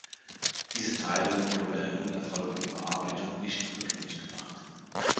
Diese Teilung wurde bei der nun erfolgten Überarbeitung nicht rückgängig gemacht.